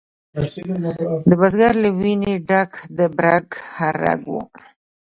د بزګر له ویني ډک د برګ هر رګ و